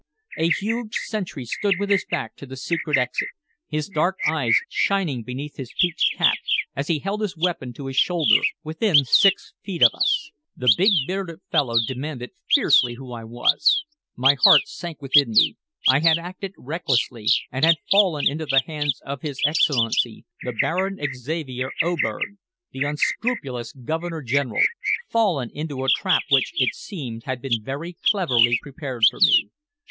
A huge sentry stood with his back to the secret exit, his dark eyes shining beneath his peaked cap, as he held his weapon to his shoulder within six feet of us. The big, bearded fellow demanded fiercely who I was. My heart sank within me. I had acted recklessly, and had fallen into the hands of his Excellency, the Baron Xavier Oberg, the unscrupulous Governor General fallen into a trap which, it seemed, had been very cleverly prepared for me.